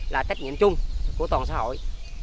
là trách nhiệm chung của toàn xã hội